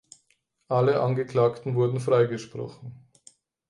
Alle Angeklagten wurden freigesprochen.